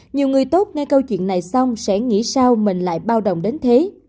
nhiều người tốt nghe câu chuyện này xong sẽ nghĩ sao mình lại bao đồng đến thế